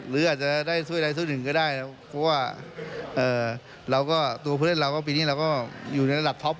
หรืออาจจะได้สู้ใดสู้หนึ่งก็ได้นะครับเพราะว่าเราก็ตัวผู้เล่นเราก็ปีนี้เราก็อยู่ในระดับท็อป